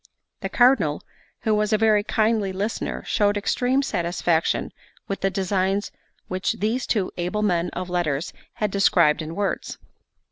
The Cardinal, who was a very kindly listener, showed extreme satisfaction with the designs which these two able men of letters had described in words.